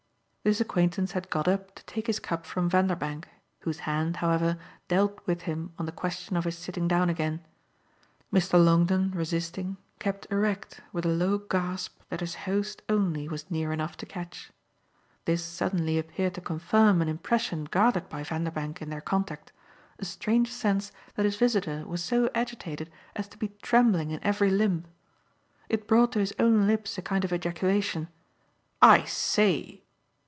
This acquaintance had got up to take his cup from Vanderbank, whose hand, however, dealt with him on the question of his sitting down again. Mr. Longdon, resisting, kept erect with a low gasp that his host only was near enough to catch. This suddenly appeared to confirm an impression gathered by Vanderbank in their contact, a strange sense that his visitor was so agitated as to be trembling in every limb. It brought to his own lips a kind of ejaculation "I SAY!"